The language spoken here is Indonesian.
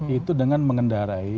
itu dengan mengendarai